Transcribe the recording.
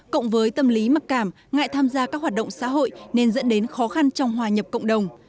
cộng với tâm lý mặc cảm ngại tham gia các hoạt động xã hội nên dẫn đến khó khăn trong hòa nhập cộng đồng